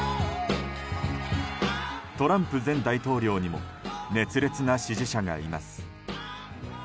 トランプ前大統領にも熱烈な支持者がいます。